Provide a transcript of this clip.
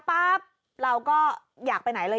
ปั๊บเราก็อยากไปไหนเลย